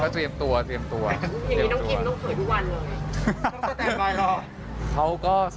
เตรียมสบายแล้ว